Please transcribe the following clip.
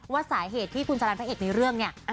ว่าสาเหตุที่คุณสารันพระเอกในเรื่องเนี่ย